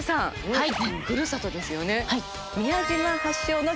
はい。